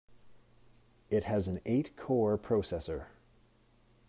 It has an eight-core processor.